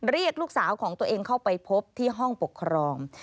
เรียกลูกสาวของตัวเองเข้าไปพบที่ห้องปกครอง